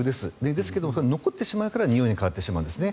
ですが残ってしまうからにおいに変わってしまうんですね。